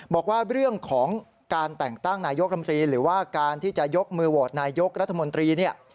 บอกว่าเรื่องของการแต่งตั้งนายกรรมตรีหรือว่าการที่จะยกมือโหวตนายกรัฐมนตรีเนี่ย